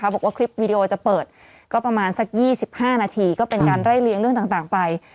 บอกว่าคลิปวีดีโอจะเปิดก็ประมาณสัก๒๕นาทีก็เป็นการไล่เลี้ยงเรื่องต่างไป